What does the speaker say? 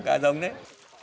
cả dòng đấy